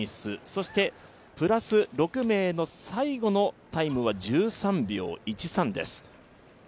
そして、プラス６名の最後のタイムは１３秒１３です。